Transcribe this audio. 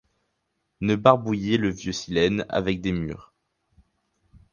Ne barbouillait le vieux Silène avec des mûres ;